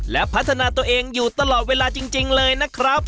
และพัฒนาตัวเองอยู่ตลอดเวลาจริงเลยนะครับ